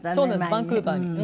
バンクーバーに。